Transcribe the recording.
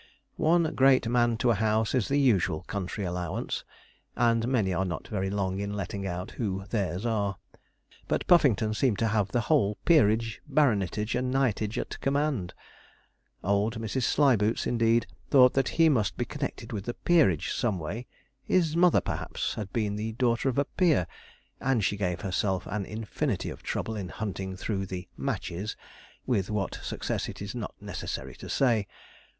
One great man to a house is the usual country allowance, and many are not very long in letting out who theirs are; but Puffington seemed to have the whole peerage, baronetage, and knightage at command. Old Mrs. Slyboots, indeed, thought that he must be connected with the peerage some way; his mother, perhaps, had been the daughter of a peer, and she gave herself an infinity of trouble in hunting through the 'matches' with what success it is not necessary to say.